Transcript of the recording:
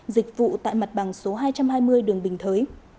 dịch vụ tại mặt bằng số hai trăm hai mươi đường bình thới